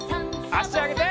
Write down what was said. あしあげて。